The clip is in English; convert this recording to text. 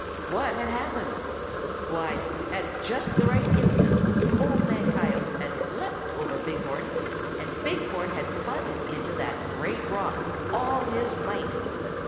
What had happened? Why, at just the right instant Old Man Coyote had leaped over Big Horn, and Big Horn had butted into that great rock with all his might.